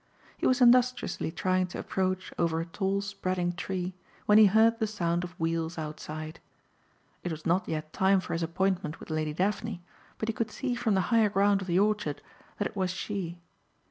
He was industriously trying to approach over a tall spreading tree when he heard the sound of wheels outside. It was not yet time for his appointment with Lady Daphne but he could see from the higher ground of the orchard that it was she.